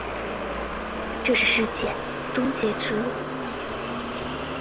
这是世界终结之路。